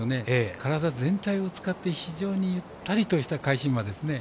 体全体を使って非常にゆったりとした返し馬ですね。